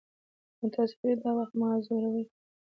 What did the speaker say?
نو تاسې ولې دا وخت ما ځوروئ.